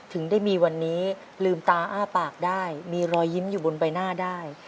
ถึงได้มีวันนี้ลืมตาอ้าปากได้มีรอยยิ้มอยู่บนใบหน้าได้